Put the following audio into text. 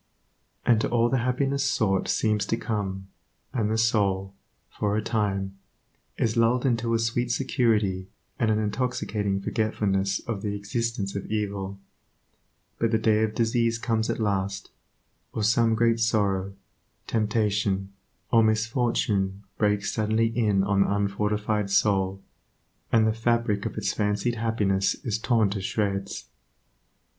And to all the happiness sought seems to come, and the soul, for a time, is lulled into a sweet security, and an intoxicating forgetfulness of the existence of evil; but the day of disease comes at last, or some great sorrow, temptation, or misfortune breaks suddenly in on the unfortified soul, and the fabric of its fancied happiness is torn to shreds.